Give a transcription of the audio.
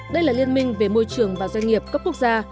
đây là liên minh về môi trường và doanh nghiệp cấp quốc gia